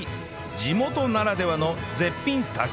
地元ならではの絶品炊き込みご飯